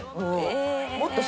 もっと下？